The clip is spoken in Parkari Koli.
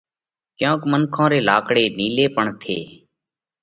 ڪينڪ منکون ري لاڪڙي نِيلي پڻ ٿي